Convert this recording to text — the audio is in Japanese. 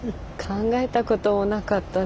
考えたこともなかった。